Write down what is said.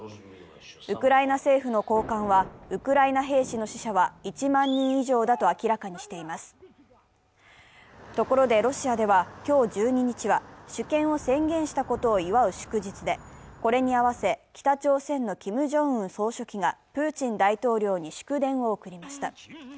ウクライナ政府の高官はウクライナ兵士の死者は１万人以上だと明らかにしていますところでロシアでは今日１２日は主権を宣言したことを祝う祝日でこれに合わせ、北朝鮮のキム・ジョンウン総書記がプーチン大統領に祝電を送りました。